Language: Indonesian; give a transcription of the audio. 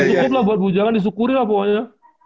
ya cukup lah buat bujangan disyukuri lah pokoknya